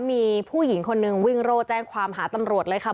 มีผู้หญิงคนนึงวิ่งโร่แจ้งความหาตำรวจเลยค่ะ